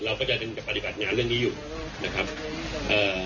เราก็จะปฏิบัติงานเรื่องนี้อยู่นะครับเอ่อ